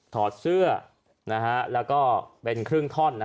ถอดเสื้อแล้วก็เป็นครึ่งท่อน